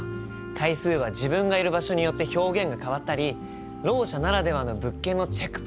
階数は自分がいる場所によって表現が変わったりろう者ならではの物件のチェックポイントとかね。